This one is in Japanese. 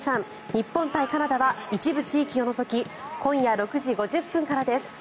日本×カナダ」は一部地域を除き今夜６時５０分からです。